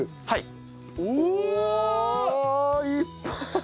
はい。